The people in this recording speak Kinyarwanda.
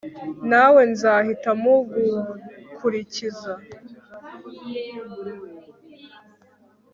nawe nzahita mugukurikiza